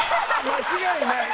間違いない！